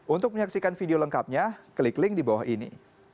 untuk menyaksikan video lengkapnya klik link di bawah ini